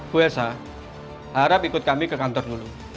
puasa harap ikut kami ke kantor dulu